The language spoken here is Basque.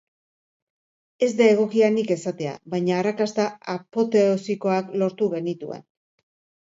Ez da egokia nik esatea, baina arrakasta apoteosikoak lortu genituen.